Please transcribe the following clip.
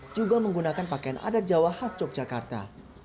juga menggunakan pakaian adat jawa khas yogyakarta